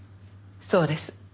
そうです。